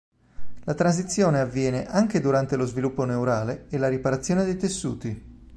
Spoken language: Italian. La transizione avviene anche durante lo sviluppo neurale e la riparazione dei tessuti.